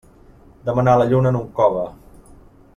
Demanar la lluna en un cove.